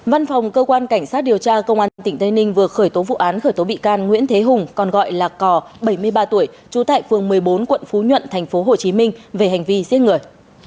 văn phòng cơ quan cảnh sát điều tra công an tỉnh tây ninh vừa khởi tố vụ án khởi tố bị can nguyễn thế hùng còn gọi là cò bảy mươi ba tuổi chú tại phương một mươi bốn quận phú nhuận thành phố hồ chí minh về hành vi giết người